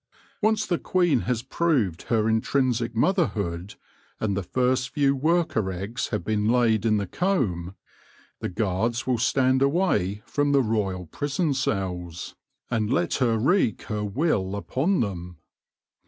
Once the queen has proved her intrinsic motherhood, and the first few worker eggs have been laid in the comb, the guards will stand away from the royal prison cells and let her THE BRIDE WIDOW 8$ wreak her will upon them.